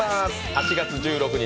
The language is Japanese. ８月１６日